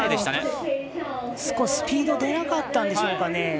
そこでスピードが出なかったんでしょうかね。